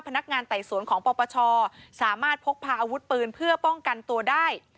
ไต่สวนของปปชสามารถพกพาอาวุธปืนเพื่อป้องกันตัวได้